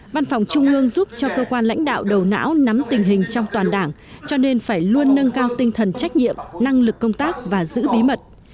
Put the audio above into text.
văn phòng trung ương giúp cho cơ quan lãnh đạo đầu não nắm tình hình trong toàn đảng cho nên phải luôn nâng cao tinh thần trách nhiệm năng lực công tác và giữ bí mật